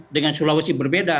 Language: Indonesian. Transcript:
dengan sulawesi berbeda